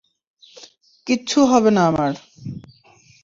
কিচ্ছু হবে না আমার।